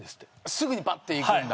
すぐにぱっていくんだ。